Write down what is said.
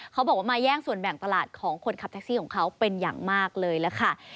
เขาบอกว่ามาแย่งส่วนแบ่งตลาดของคนขับแท็กซี่ของเขาเป็นอย่างมากเลยล่ะค่ะ